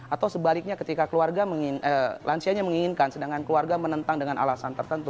atau sebaliknya ketika keluarga lansianya menginginkan sedangkan keluarga menentang dengan alasan tertentu